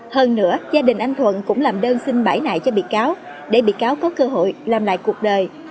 hơn nữa gia đình anh thuận cũng làm đơn xin bãi lại cho bị cáo để bị cáo có cơ hội làm lại cuộc đời